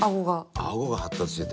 あごが発達してて？